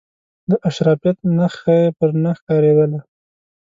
د اشرافیت نخښه پر نه ښکارېدله.